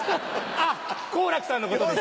あっ好楽さんのことです。